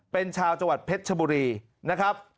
เป็นชาวจังหวัดเพชรชบุรีนะครับ